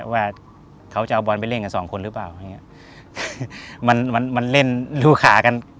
ว่าเขาจะเอาบอลไปเล่นกับสองคนหรือเปล่าอย่างเงี้ยมันมันเล่นลูกขากัน